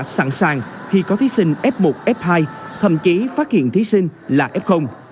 sẵn sàng khi có thí sinh f một f hai thậm chí phát hiện thí sinh là f